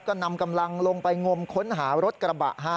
ก็นำกำลังลงไปงมค้นหารถกระบะ